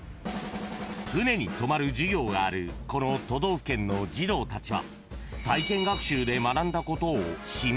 ［船に泊まる授業があるこの都道府県の児童たちは体験学習で］